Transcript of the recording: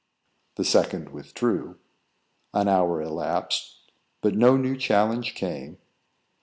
The second withdrew. An hour elapsed, but no new challenge came.